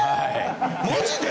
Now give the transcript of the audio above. マジで？